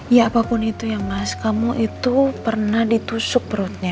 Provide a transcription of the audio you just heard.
ya apapun itu ya mas kamu itu pernah ditusuk perutnya